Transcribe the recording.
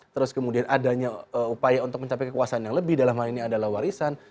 terus kemudian adanya upaya untuk mencapai kekuasaan yang lebih dalam hal ini adalah warisan